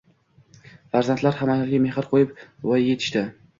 Farzandlar ham ayolga mehr qoʻyib, voyaga yetishdi